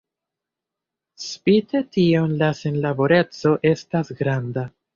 Spite tion la senlaboreco estas granda.